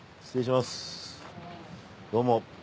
どうも。